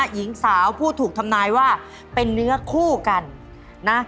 หญิงสาวผู้ถูกทำนายว่าเป็นเนื้อคู่กันนะ